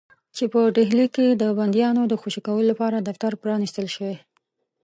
چې په ډهلي کې د بندیانو د خوشي کولو لپاره دفتر پرانیستل شوی.